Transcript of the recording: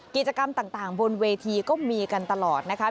กิจกรรมต่างบนเวทีก็มีกันตลอดนะคะ